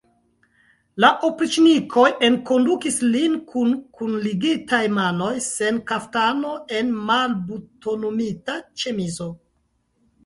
La opriĉnikoj enkondukis lin kun kunligitaj manoj, sen kaftano, en malbutonumita ĉemizo.